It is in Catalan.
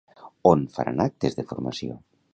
On es faran actes de formació?